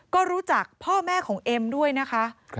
ก็รู้จักพ่อแม่ของเอ็มด้วยนะคะ